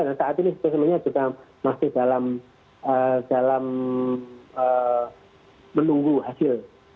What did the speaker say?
dan saat ini istri semuanya juga masih dalam menunggu hasil